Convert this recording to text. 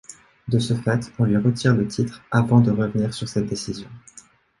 De ce fait, on lui retire le titre avant de revenir sur cette décision.